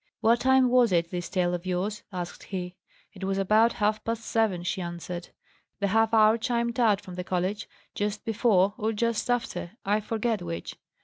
"What time was it, this tale of yours?" asked he. "It was about half past seven," she answered. "The half hour chimed out from the college, just before or just after, I forget which."